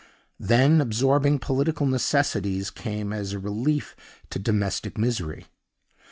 Then absorbing political necessities came as a relief to domestic misery.